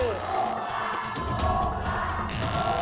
ถูกกว่า